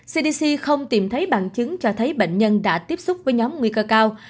cdc không tìm thấy bằng chứng cho thấy bệnh nhân đã tiếp xúc với nhóm nguy cơ cao